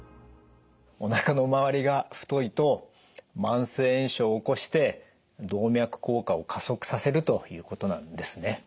おなかの回りが太いと慢性炎症を起こして動脈硬化を加速させるということなんですね。